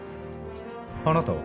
あなたは？